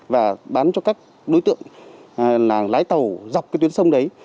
và bán cho các đối tượng lái tàu dọc tuyến sông đấy